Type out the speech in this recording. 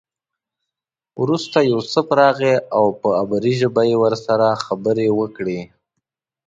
وروسته یوسف راغی او په عبري ژبه یې ورسره خبرې وکړې.